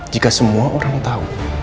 jika semua orang tahu